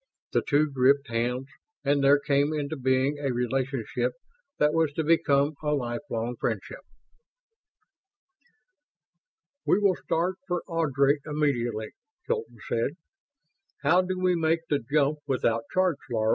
The two gripped hands; and there came into being a relationship that was to become a lifelong friendship. "We will start for Ardry immediately," Hilton said. "How do we make that jump without charts, Laro?"